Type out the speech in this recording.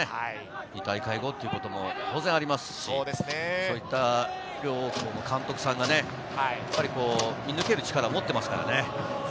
２大会後ってことも当然ありますし、両校の監督さんが見抜ける力を持ってますからね。